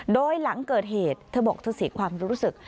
โดยหลังเกิดเหตุเธอบอกเธอเสียความรู้สึก